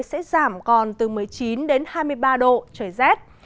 sẽ giảm còn từ một mươi chín đến hai mươi ba độ trời rét